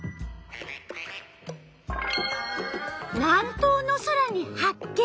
南東の空に発見。